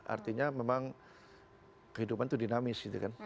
artinya memang kehidupan itu dinamis gitu kan